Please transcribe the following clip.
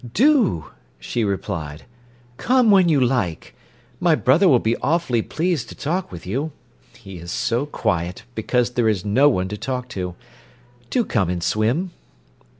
"Do," she replied. "Come when you like. My brother will be awfully pleased to talk with you. He is so quiet, because there is no one to talk to. Do come and swim."